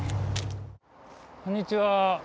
こんにちは。